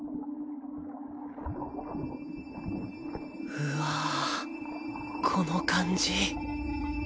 うわこの感じ